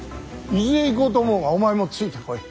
伊豆へ行こうと思うがお前もついてこい。